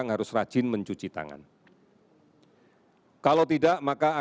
bahkan dikeluarhisiang menguji jepang pada penampilan yang penting